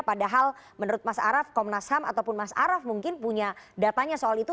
padahal menurut mas araf komnas ham ataupun mas araf mungkin punya datanya soal itu